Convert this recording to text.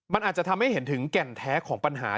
มันอาจจะทำให้เห็นถึงแก่นแท้ของปัญหา